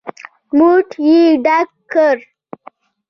موټ يې ډک کړ.